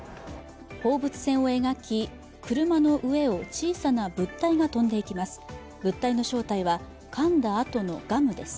放物線を描き、車の上を小さな物体が飛んでいきます。